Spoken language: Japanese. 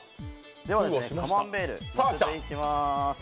カマンベール入れていきます。